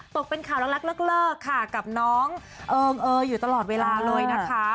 ตกเป็นข่าวรักเลิกค่ะกับน้องเอิงเอยอยู่ตลอดเวลาเลยนะคะ